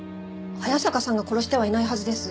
早坂さんが殺してはいないはずです。